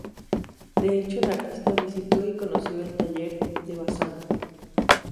De hecho el artista visitó y conoció el taller de Bassano.